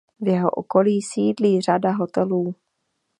V jeho okolí sídlí řada hotelů.